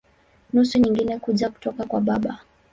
Nusu nyingine kuja kutoka kwa baba.